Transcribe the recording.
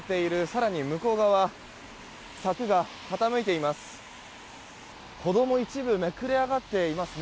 更に向こう側柵が傾いています。